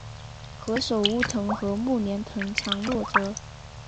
何首乌藤和木莲藤缠络着